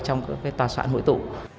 trong tòa soạn hội tụ